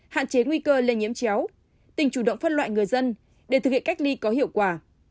hạn chế nguy cơ lây nhiễm chéo tỉnh chủ động phân loại người dân để thực hiện cách ly có hiệu quả